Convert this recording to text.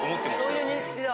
そういう認識だ。